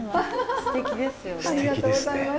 すてきですね。